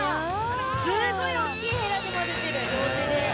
すごい大っきいヘラで混ぜてる両手で。